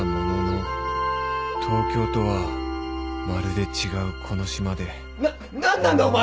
東京とはまるで違うこの島でな何なんだお前！？